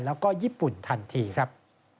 แล้วก็ญี่ปุ่นทันทีครับ